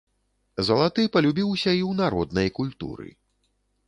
Залаты палюбіўся і ў народнай культуры.